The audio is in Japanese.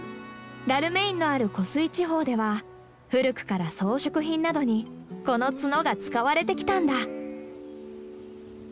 ダルメインのある湖水地方では古くから装飾品などにこの角が使われてきたんだ。